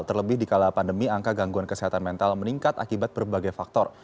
terlebih di kala pandemi angka gangguan kesehatan mental meningkat akibat berbagai faktor